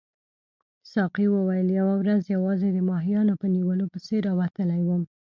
ساقي وویل یوه ورځ یوازې د ماهیانو په نیولو پسې راوتلی وم.